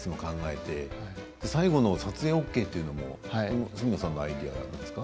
最後の撮影ＯＫというのも角野さんのアイデアだったんですか。